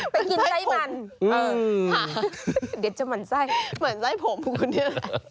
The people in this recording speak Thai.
ไปกินใส่หมั่นเดี๋ยวจะหมั่นใส่หมั่นใส่ผมคุณเนี่ย